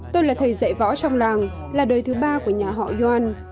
tôi là thầy dạy võ trong làng là đời thứ ba của nhà họ yoon